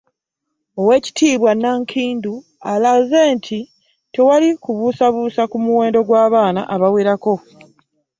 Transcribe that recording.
Oweekitiibwa Nankindu alaze nti tewali kubuusabuusa ku muwendo gw'abaana abawerako